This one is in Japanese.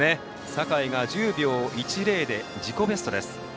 坂井が１０秒１０で自己ベストです。